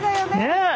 ねえ。